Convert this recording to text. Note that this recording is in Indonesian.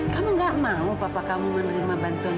kamu tidak mau papa kamu menerima ginjal edo